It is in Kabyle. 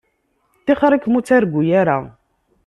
Tixeṛ-ikem ur ttargu ara.